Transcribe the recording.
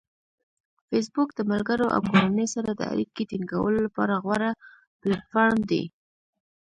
فېسبوک د ملګرو او کورنۍ سره د اړیکې ټینګولو لپاره غوره پلیټفارم دی.